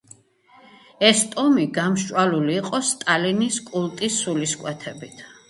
ეს ტომი გამსჭვალული იყო სტალინის კულტის სულისკვეთებით.